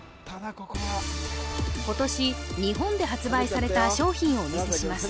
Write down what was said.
ここは今年日本で発売された商品をお見せします